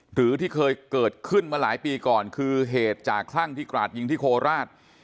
หรือที่เคยเกิดขึ้นมาหลายปีก่อนคือเหตุจากคลั่งที่กราดยิงที่โคราช